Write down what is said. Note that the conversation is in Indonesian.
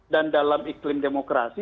dan dalam iklim demokrasi